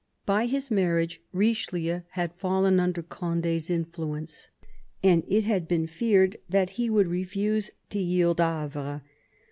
By his marriage Eichelieu had fallen under Condi's influence, and it had been feared that he would refuse to yield Havre.